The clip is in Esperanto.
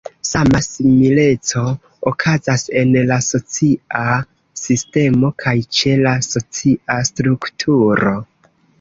Sama simileco okazas en la "socia sistemo" kaj ĉe la "socia strukturo".